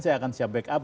saya akan siap backup